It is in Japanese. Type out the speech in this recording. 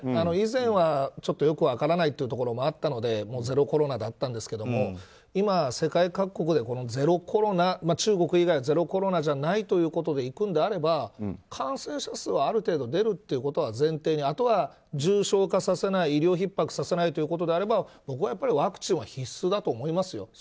以前はよく分からないこともあったのでゼロコロナなんですが世界各国でゼロコロナ中国以外はゼロコロナじゃないといくんであれば感染者数はある程度出ることは前提にあとは重症化させない医療ひっ迫させないということであれば僕はやっぱりワクチンは必須だと思います。